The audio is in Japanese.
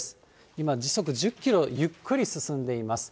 今、時速１０キロ、ゆっくり進んでいます。